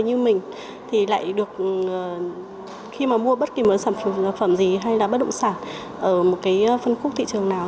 như mình thì lại được khi mà mua bất kỳ một sản phẩm dược phẩm gì hay là bất động sản ở một cái phân khúc thị trường nào